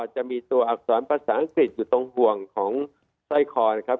จะมีตัวอักษรภาษาอังกฤษอยู่ตรงห่วงของสร้อยคอนะครับ